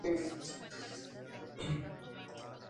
En la actualidad, Kitao trabaja como asesor principal del gimnasio.